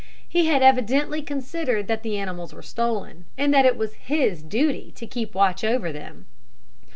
He had evidently considered that the animals were stolen, and that it was his duty to keep watch over them.